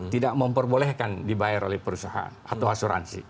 tidak memperbolehkan dibayar oleh perusahaan atau asuransi